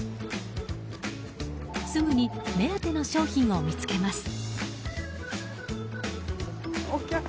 すぐに目当ての商品を見つけます。